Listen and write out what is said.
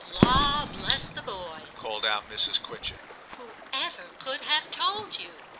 * Law bless the boy!' called out Mrs. Quitchett. * Whoever could have told you